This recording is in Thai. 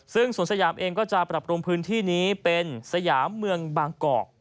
ซึ่งสวนสยามเองก็จะปรับปรุงพื้นที่นี้เป็นสยามเมืองบางกอก